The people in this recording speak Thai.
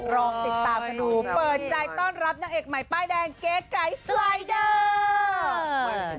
ลองติดตามกันดูเปิดใจต้อนรับนางเอกใหม่ป้ายแดงเก๋ไก่สไลเดอร์